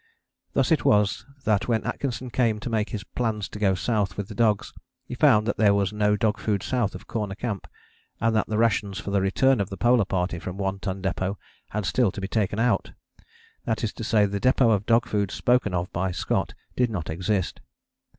Thus it was that when Atkinson came to make his plans to go South with the dogs he found that there was no dog food south of Corner Camp, and that the rations for the return of the Polar Party from One Ton Depôt had still to be taken out. That is to say, the depôt of dog food spoken of by Scott did not exist.